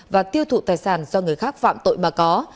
và tiêu thụ tài sản do người khác phạm tội mà có